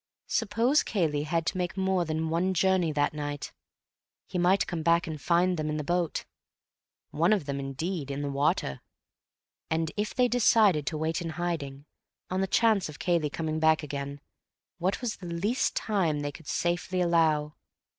Suppose Cayley had to make more than one journey that night? He might come back to find them in the boat; one of them, indeed, in the water. And if they decided to wait in hiding, on the chance of Cayley coming back again, what was the least time they could safely allow?